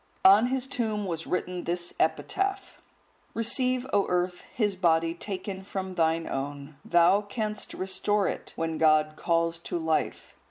On his tomb was written this epitaph: Receive, O Earth, his body taken from thine own; thou canst restore it, when God calls to life.